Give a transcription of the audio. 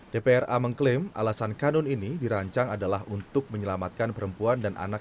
dpra mengklaim alasan kanun ini dirancang adalah untuk menyelamatkan perempuan dan anak